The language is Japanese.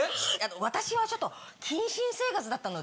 私はちょっと謹慎生活だったので。